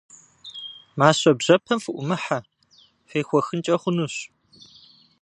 Мащэ бжьэпэм фыӏумыхьэ, фехуэхынкӏэ хъунущ.